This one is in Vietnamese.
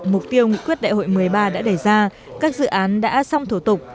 mục tiêu nguyễn quyết đại hội một mươi ba đã đẩy ra các dự án đã xong thủ tục